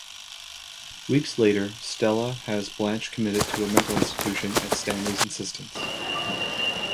Weeks later, Stella has Blanche committed to a mental institution at Stanley's insistence.